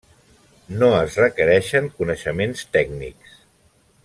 No es requereixen coneixements tècnics.